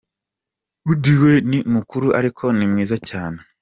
Undi we ni mukuru ariko ni mwiza cyane.